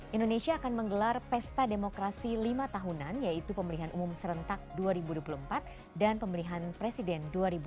indonesia akan menggelar pesta demokrasi lima tahunan yaitu pemilihan umum serentak dua ribu dua puluh empat dan pemilihan presiden dua ribu dua puluh